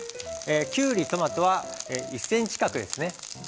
きゅうりとトマトは１ｃｍ角ですね。